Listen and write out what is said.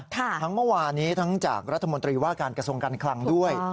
ทั้งเมื่อวานี้ทั้งจากรัฐมนตรีว่าการกระทรวงการคลังด้วย